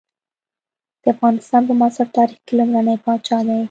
د افغانستان په معاصر تاریخ کې لومړنی پاچا دی.